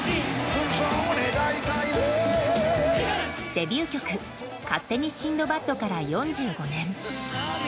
デビュー曲「勝手にシンドバッド」から４５年。